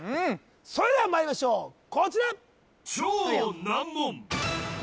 それではまいりましょうこちら！